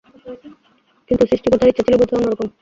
কিন্তু সৃষ্টিকর্তার ইচ্ছে ছিলো বোধহয় অন্যরকম।